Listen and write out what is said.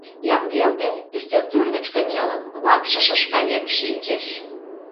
Яҥгелде, ӱстелтӧр гыч кынелын, вакшышыш каен шинчеш.